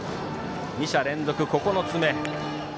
２者連続、９つ目。